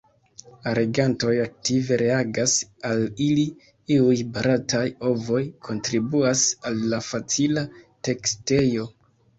La legantoj aktive reagas al ili; iuj barataj “ovoj” kontribuas al la facila tekstejo.